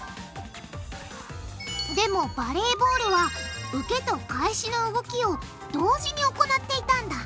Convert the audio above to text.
でもバレーボールは受けと返しの動きを同時に行っていたんだ